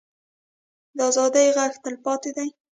د ازادۍ غږ تلپاتې دی